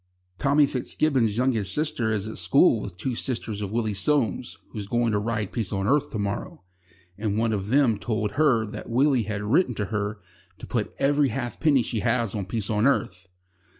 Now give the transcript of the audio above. Tommy Fitzgibbon's youngest sister is at school with two sisters of Willie Soames, who's going to ride Peace on Earth to morrow, and one of them told her that Willie had written to her to put every halfpenny she has on Peace on Earth."